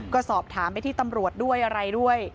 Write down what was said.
ก็สอบถามไปที่ตำรวจด้วยอะไรด้วย